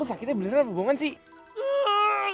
lo sakitnya beneran apa bohongan sih